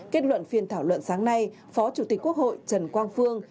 kết luận phiên thảo luận sáng nay phó chủ tịch quốc hội trần quang phương